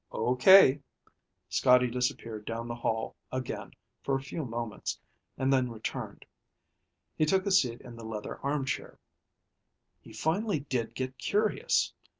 "Okay." Scotty disappeared down the hall again for a few moments and then returned. He took a seat in the leather armchair. "He finally did get curious.